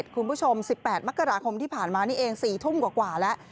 คุณผู้ชม๑๘มกราคมที่ผ่านมานี่เอง๔ทุ่มกว่าแล้ว